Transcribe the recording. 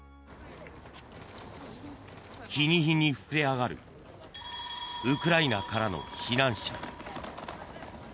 日に日に膨れ上がるウクライナからの避難者。